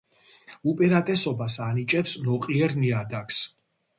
უპირატესობას ანიჭებს ნოყიერ ნიადაგს.